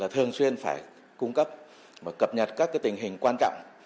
thường xuyên phải cung cấp và cập nhật các tình hình quan trọng